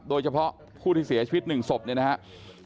โดยเฉพาะผู้ที่เสียชีวิต๑ศพเนี่ยนะครับ